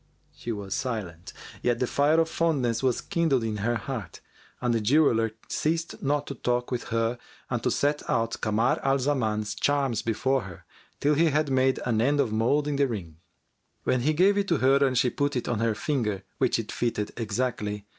She was silent, yet the fire of fondness was kindled in her heart. And the jeweller ceased not to talk with her and to set out Kamar al Zaman's charms before her till he had made an end of moulding the ring; when he gave it to her and she put it on her finger, which it fitted exactly.